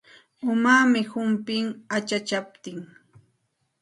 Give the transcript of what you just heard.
Umaami humpin achachaptin.